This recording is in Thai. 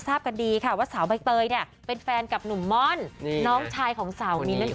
ทราบกันดีค่ะว่าสาวใบเตยเนี่ยเป็นแฟนกับหนุ่มม่อนน้องชายของสาวมิ้นนั่นเอง